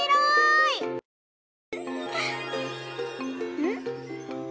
うん？